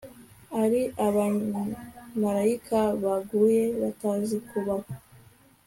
ari abamarayika baguye batazi kubaho